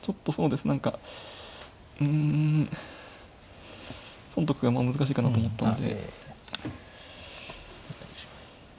何かうん損得が難しいかなと思ったので。